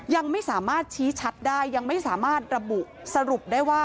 ยังไม่สามารถชี้ชัดได้ยังไม่สามารถระบุสรุปได้ว่า